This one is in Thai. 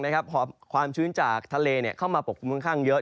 หอบความชื้นจากทะเลเข้ามาปกคลุมค่อนข้างเยอะ